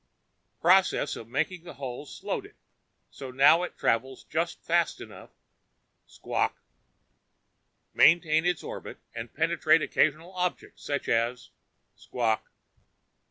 _" process of making the holes slowed it, so that now it travels just fast enough " Squawk. " maintain its orbit and penetrate occasional objects such as " _Squawk.